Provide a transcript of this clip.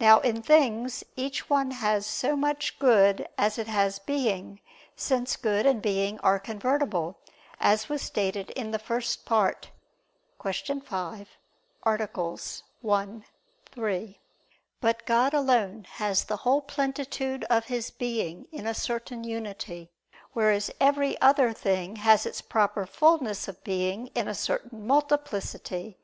Now in things, each one has so much good as it has being: since good and being are convertible, as was stated in the First Part (Q. 5, AA. 1, 3). But God alone has the whole plenitude of His Being in a certain unity: whereas every other thing has its proper fulness of being in a certain multiplicity.